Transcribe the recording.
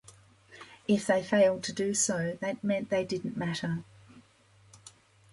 If they failed to do so, that meant they didn't matter.